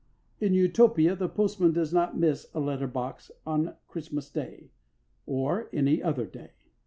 In Utopia the postman does not miss a letter box on Christmas Day. Or on any other day.